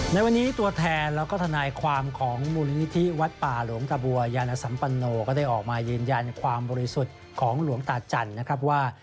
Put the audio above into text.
ในวันนี้ตัวแทนแล้วก็ทนายความของมูลนิธิวัดป่าหลวงตะบัวยานสัมปโนก็ได้ออกมายืนยันความบริสุทธิ์ของหลวงตาจันทร์นะครับว่า